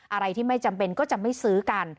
อะไรที่ไม่จำเป็นก็จะไม่ซื้อกัน